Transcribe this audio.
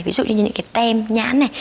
ví dụ như những cái tem nhãn này